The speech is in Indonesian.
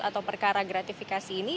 atau perkara gratifikasi ini